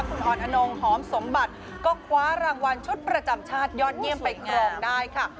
คุณอ่อนทนงหอมสมบัติก็คว้ารางวัลชุดประจำชาติยอดเยี่ยมไปครองได้ค่ะ